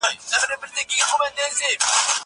هغه وويل چي درسونه لوستل کول مهم دي!!